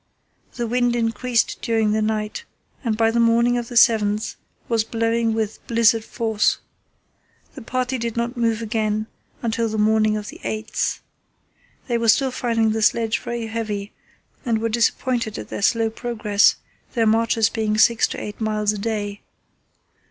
The wind increased during the night, and by the morning of the 7th was blowing with blizzard force. The party did not move again until the morning of the 8th. They were still finding the sledge very heavy and were disappointed at their slow progress, their marches being six to eight miles a day.